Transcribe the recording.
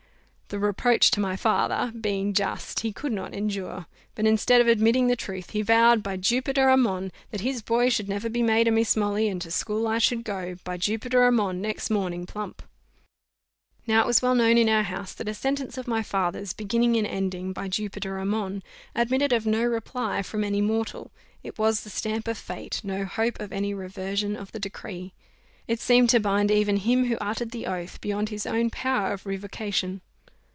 The reproach to my father, being just, he could not endure; but instead of admitting the truth, he vowed, by Jupiter Ammon, that his boy should never be made a Miss Molly, and to school I should go, by Jupiter Ammon, next morning, plump. Now it was well known in our house, that a sentence of my father's beginning and ending "by Jupiter Ammon" admitted of no reply from any mortal it was the stamp of fate; no hope of any reversion of the decree: it seemed to bind even him who uttered the oath beyond his own power of revocation.